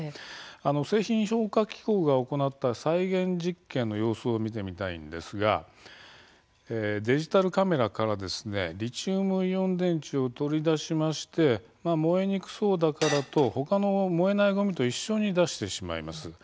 製品評価機構が行った再現実験の様子があるのでそれを見てみたいんですがデジタルカメラからリチウムイオン電池を取り出して燃えにくそうだからと他の燃えないごみと一緒に出してしまいます。